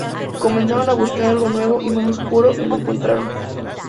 Comenzaron a buscar algo nuevo y más oscuro y lo encontraron.